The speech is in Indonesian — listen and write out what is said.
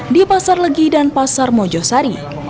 di pasar legi dan pasar mojosari